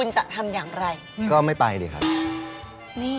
จะทำอย่างไรจะบอกเธอไหม